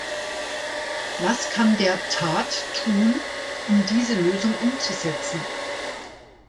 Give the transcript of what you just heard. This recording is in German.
Was kann der Tat tun, um diese Lösung umzusetzen?